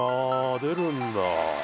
出るんだ。